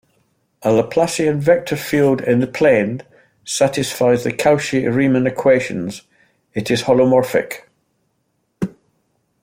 A Laplacian vector field in the plane satisfies the Cauchy-Riemann equations: it is holomorphic.